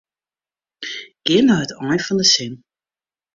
Gean nei it ein fan de sin.